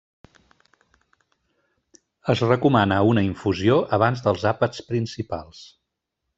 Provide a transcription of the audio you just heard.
Es recomana una infusió abans dels àpats principals.